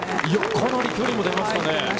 かなり距離も出ましたね。